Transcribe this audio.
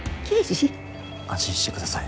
安心して下さい。